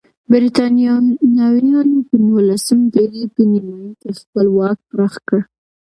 برېټانویانو په نولسمې پېړۍ په نیمایي کې خپل واک پراخ کړ.